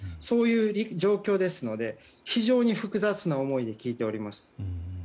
そういう状況ですので非常に複雑な思いで聞いております。